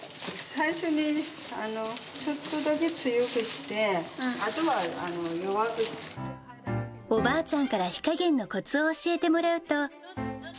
最初にちょっとだけ強くして、おばあちゃんから火加減のこつを教えてもらうと。